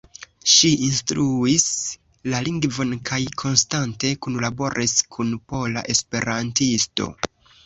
Ŝi instruis la lingvon kaj konstante kunlaboris kun Pola Esperantisto.